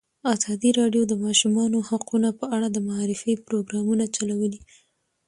ازادي راډیو د د ماشومانو حقونه په اړه د معارفې پروګرامونه چلولي.